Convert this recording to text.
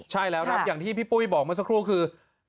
ใช่แล้วครับอย่างที่พี่ปุ้ยบอกเมื่อสักครู่คือ